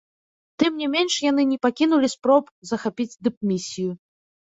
Тым не менш, яны не пакінулі спроб захапіць дыпмісію.